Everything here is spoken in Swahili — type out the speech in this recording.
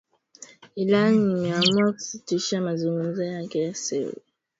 Iran imeamua kusitisha mazungumzo yake ya siri